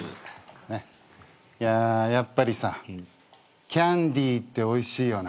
いややっぱりさキャンディーっておいしいよな。